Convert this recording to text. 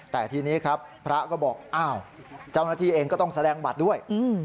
แต่ทีนี้ครับพระก็บอกอ้าวเจ้าหน้าที่เองก็ต้องแสดงบัตรด้วย